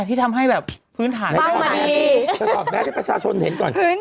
ที่ทำให้ฟื้นถ่ายเพ้าก็เป็นเรื่อย